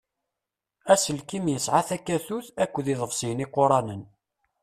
Aselkim yesɛa takatut akked iḍebṣiyen iquṛanen.